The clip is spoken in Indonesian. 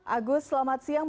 agus selamat siang